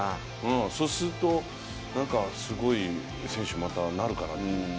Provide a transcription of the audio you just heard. そうすると、すごい選手にまたなるかなって。